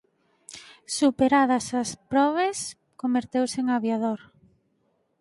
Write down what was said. Superadas as probes converteuse en aviador.